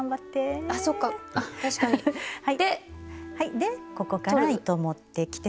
でここから糸持ってきて。